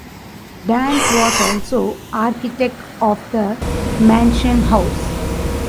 Dance was also architect of the Mansion House.